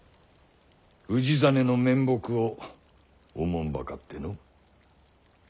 氏真の面目をおもんばかっての。